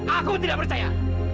aku tidak percaya